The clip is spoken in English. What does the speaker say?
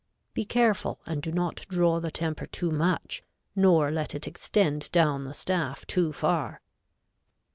Be careful and do not draw the temper too much, nor let it extend down the staff too far.